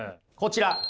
こちら。